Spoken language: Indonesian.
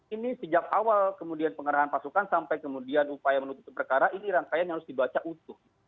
ini sejak awal kemudian pengarahan pasukan sampai kemudian upaya menutupi perkara ini rangkaian yang harus dibaca utuh